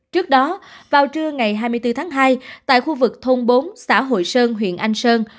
trước đó vào trưa ngày hai mươi bốn tháng hai tại khu vực thôn bốn xã hội sơn huyện anh sơn